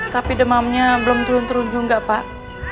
tapi demamnya belum turun turun juga pak